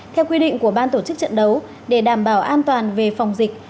theo quy định của ban tổ chức trận đấu để đảm bảo an toàn về phòng dịch